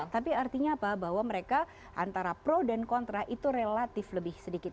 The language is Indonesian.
tapi artinya apa bahwa mereka antara pro dan kontra itu relatif lebih sedikit